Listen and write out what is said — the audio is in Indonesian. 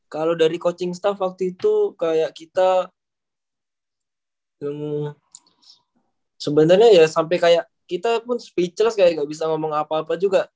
kalau dari coaching staff waktu itu kayak kita sebenarnya ya sampai kayak kita pun speechless kayak gak bisa ngomong apa apa juga